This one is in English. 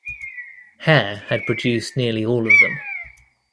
Hare had produced nearly all of them.